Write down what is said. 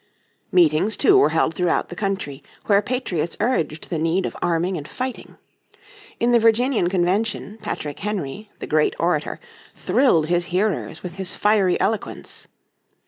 Meetings, too, were held throughout the country, when patriots urged the need of arming and fighting. In the Virginian Convention, Patrick Henry, the great orator, thrilled his hearers with his fiery eloquence.